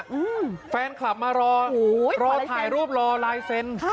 เมื่อมีแรงคลับมารอถ่ายรูปรอลายเซ็นต์